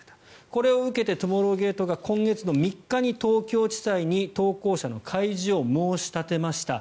これを受けてトゥモローゲートが今月３日に東京地裁に投稿者の開示を申し立てました。